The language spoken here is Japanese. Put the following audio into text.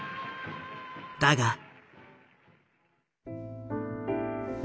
だが。